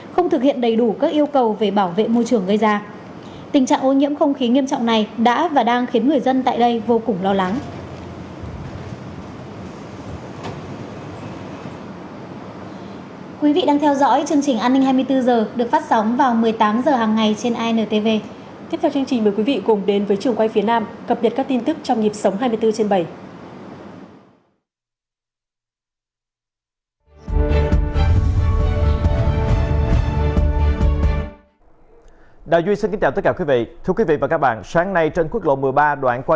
không thực hiện đầy đủ các yêu cầu về bảo vệ môi trường gây ra